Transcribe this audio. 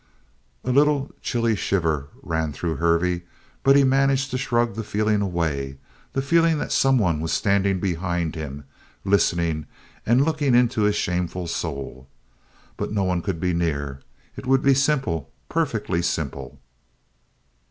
A little chilly shiver ran through Hervey but he managed to shrug the feeling away the feeling that someone was standing behind him, listening, and looking into his shameful soul. But no one could be near. It would be simple, perfectly simple.